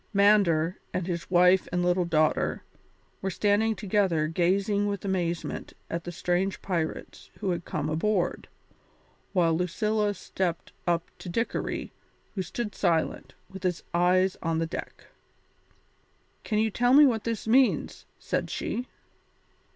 Mander, with his wife and little daughter, were standing together gazing with amazement at the strange pirates who had come aboard, while Lucilla stepped up to Dickory, who stood silent, with his eyes on the deck. "Can you tell me what this means?" said she.